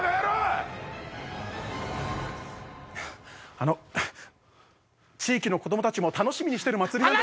あの地域の子どもたちも楽しみにしてる祭りなんです。